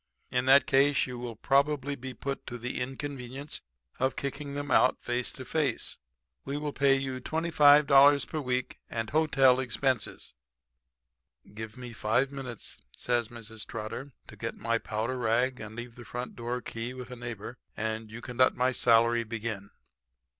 In that case you will be probably put to the inconvenience of kicking them out face to face. We will pay you $25 per week and hotel expenses.' "'Give me five minutes,' says Mrs. Trotter, 'to get my powder rag and leave the front door key with a neighbor and you can let my salary begin.'